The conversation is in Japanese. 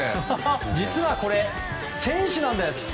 実はこれ、選手なんです。